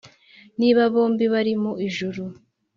“niba bombi bari mu ijuru?”